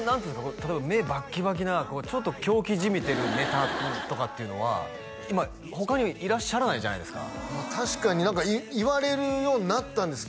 例えば目バッキバキなちょっと狂気じみてるネタとかっていうのは今他にいらっしゃらないじゃないですか確かに言われるようになったんですけど